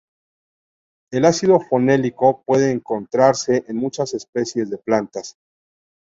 El ácido fenólico puede encontrarse en muchas especies de plantas.